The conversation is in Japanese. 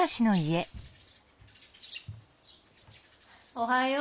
おはよう。